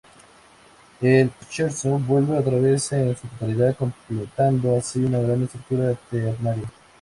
El Scherzo vuelve otra vez en su totalidad, completando así una gran estructura ternaria.